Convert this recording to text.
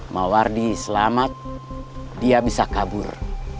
mawardi selamat dia bisa kabur